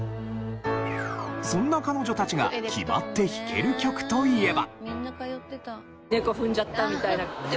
そんな彼女たちが決まって弾ける曲といえば。